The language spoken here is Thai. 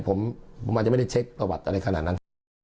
ผมอาจจะไม่ได้เช็คประวัติอะไรขนาดนั้น